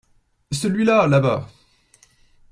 Celui-là là-bas.